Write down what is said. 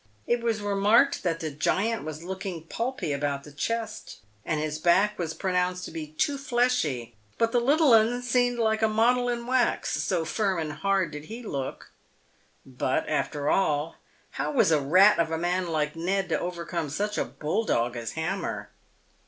It w^as remarked that the giant was looking pulpy about the chest, and his back was pronounced to be too fleshy, but the little 'un seemed like a model in wax, so firm and hard did he look. But, after all, how was a rat of a man like Ned to overcome such a bull dog as Hammer.